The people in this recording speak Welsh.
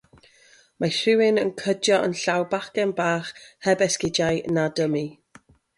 Mae rhywun yn cydio yn llaw bachgen bach heb esgidiau na dymi.